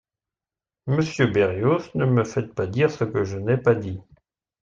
Monsieur Berrios, ne me faites pas dire ce que je n’ai pas dit.